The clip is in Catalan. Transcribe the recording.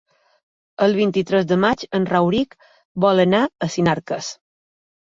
El vint-i-tres de maig en Rauric vol anar a Sinarques.